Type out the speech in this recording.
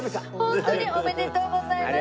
ホントにおめでとうございます。